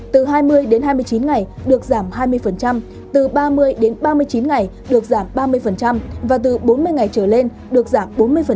từ hai mươi đến hai mươi chín ngày được giảm hai mươi từ ba mươi đến ba mươi chín ngày được giảm ba mươi và từ bốn mươi ngày trở lên được giảm bốn mươi